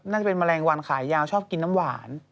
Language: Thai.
น่าจะเป็นแมลงวันขายยาวชอบกินน้ำหวาน